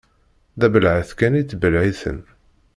D abelεeṭ kan i ttbelεiṭen.